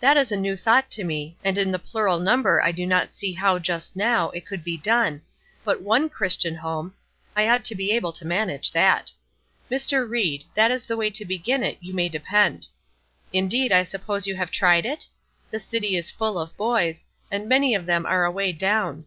That is a new thought to me, and in the plural number I do not see how just now, it could be done, but one Christian home, I ought to be able to manage that. Mr. Ried, that is the way to begin it, you may depend. Indeed, I suppose you have tried it? The city is full of boys, and many of them are away down.